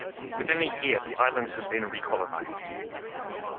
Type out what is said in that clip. Within a year the islands had been recolonised.